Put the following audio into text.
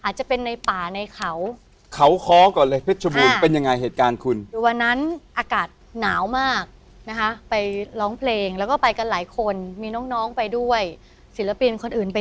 โดนดึงคนอื่นไปด้วย